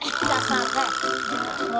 eh enggak pak